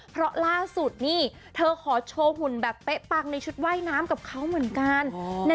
เพราะล่าสุดนี่เธอขอโชว์หุ่นแบบเป๊ะปังในชุดว่ายน้ำกับเขาเหมือนกัน